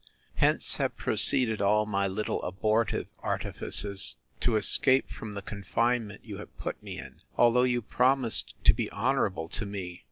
Hence have proceeded all my little abortive artifices to escape from the confinement you have put me in; although you promised to be honourable to me.